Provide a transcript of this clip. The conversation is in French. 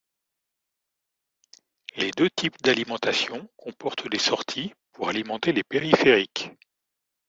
Les deux types d'alimentation comportent des sorties pour alimenter les périphériques.